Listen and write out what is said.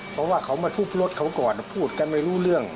เพราะว่าเขามาทุบรถเขาก่อนพูดกันไม่รู้เรื่อง